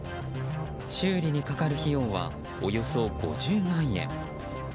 修理にかかる費用はおよそ５０万円。